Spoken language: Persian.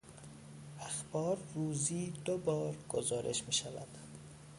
اخبار روزی دوبار گزارش میشود.